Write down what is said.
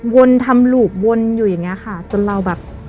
ทำลูกวนอยู่อย่างเงี้ยค่ะจนเราแบบ